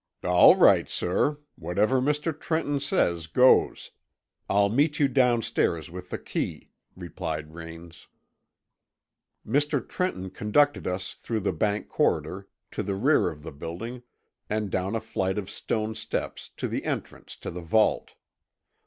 "All right, sir. Whatever Mr. Trenton says goes. I'll meet you downstairs with the key," replied Raines. Mr. Trenton conducted us through the bank corridor to the rear of the building and down a flight of stone steps to the entrance to the vault.